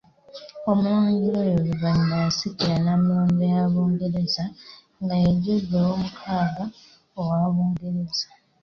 Omulangira oyo oluvannyuma yasikira Nnamulondo ya Bungereza, nga ye George VI owa Bungereza.